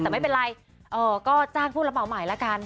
แต่ไม่เป็นไรก็จ้างผู้ระเป๋าหมายแล้วกัน